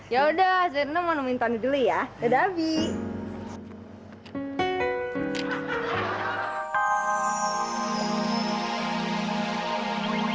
ya udah zarina mau nemuin tani dulu ya